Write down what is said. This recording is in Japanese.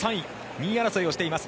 ２位争いをしています。